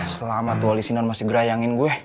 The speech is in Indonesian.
selama wali singar masih gerayangin gue